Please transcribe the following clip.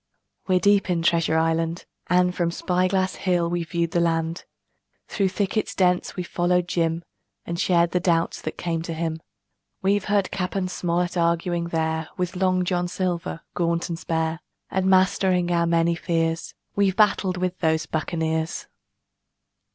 We're deep in Treasure Island, and From Spy Glass Hill we've viewed the land; Through thickets dense we've followed Jim And shared the doubts that came to him. We've heard Cap. Smollett arguing there With Long John Silver, gaunt and spare, And mastering our many fears We've battled with those buccaneers.